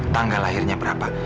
tanggal lahirnya berapa